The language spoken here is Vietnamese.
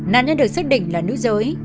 nạn nhân được xác định là nữ giới